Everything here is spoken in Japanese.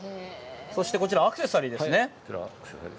そして、こちら、アクセサリーですね。